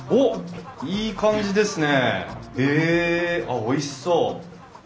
あっおいしそう。